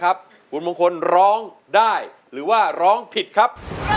โครงใจโครงใจโครงใจ